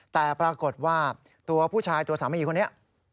แต่ปรากฏว่าตัวผู้ชายตัวสามีคนนี้